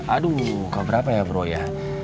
aduh keberapa ya bro ya